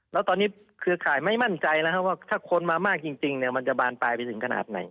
แล้วตอนนี้เครือข่ายไม่มั่นใจนะครับว่าถ้าคนมามากจริงมันจะบานปลายไปถึงขนาดไหน